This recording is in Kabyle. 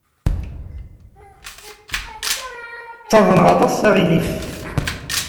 Ttaḍneɣ aṭas aɣilif.